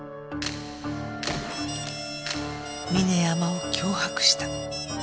峰山を脅迫した。